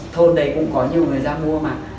thôn đấy cũng có nhiều người ra mua mà